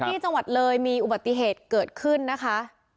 ที่จังหวัดเลยมีอุบัติเหตุเกิดขึ้นนะคะ